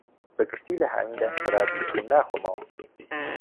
بەگشتی لە هاویندا شەرابی سوور ناخۆمەوە.